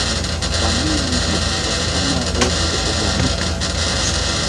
Kaminiria othameitzi owane